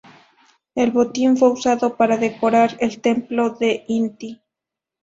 El botín fue usado para decorar el Templo de Inti.